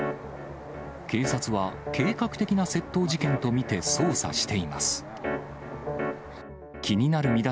警察は計画的な窃盗事件と見て捜査しています。